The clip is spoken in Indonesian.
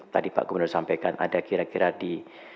tadi pak gubernur sampaikan ada kira kira di